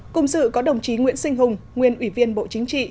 cùng sự có đồng chí nguyễn sinh hùng nguyên ủy viên bộ chính trị